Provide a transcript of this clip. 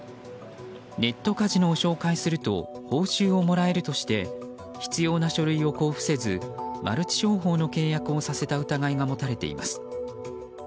ネットカジノを紹介すると報酬をもらえるとして必要な書類を交付せずマルチ商法の契約をさせた疑いが持たれています。